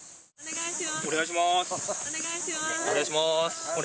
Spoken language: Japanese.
お願いします。